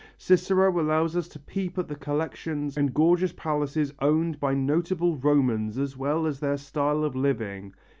Cicero allows us a peep at the collections and gorgeous palaces owned by notable Romans as well as their style of living.